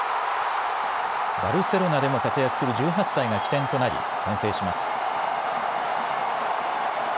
バルセロナでも活躍する１８歳が起点となり先制します。